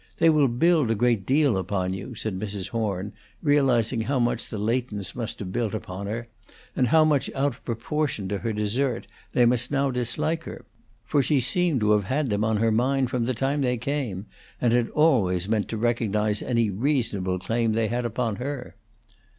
They will build a great deal upon you," said Mrs. Horn, realizing how much the Leightons must have built upon her, and how much out of proportion to her desert they must now dislike her; for she seemed to have had them on her mind from the time they came, and had always meant to recognize any reasonable claim they had upon her.